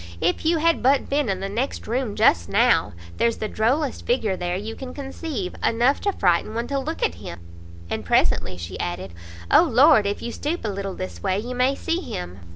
if you had but been in the next room just now! there's the drollest figure there you can conceive; enough to frighten one to look at him." And presently she added "O Lord, if you stoop a little this way, you may see him!"